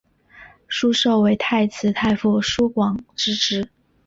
疏受为太子太傅疏广之侄。